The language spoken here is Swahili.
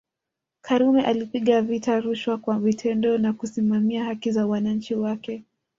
Karume alipiga vita rushwa kwa vitendo na kusimamia haki za wananchi wake